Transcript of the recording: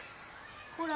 ほら